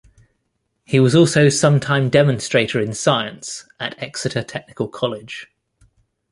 He was also sometime Demonstrator In Science at Exeter Technical College.